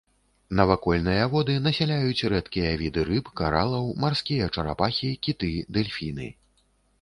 Навакольныя воды насяляюць рэдкія віды рыб, каралаў, марскія чарапахі, кіты, дэльфіны.